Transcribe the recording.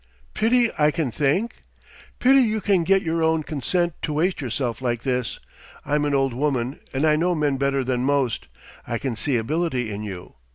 "Pity I can think?" "Pity you can get your own consent to waste yourself like this. I'm an old woman, and I know men better than most; I can see ability in you.